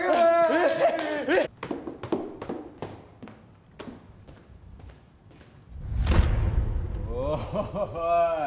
えええっおい！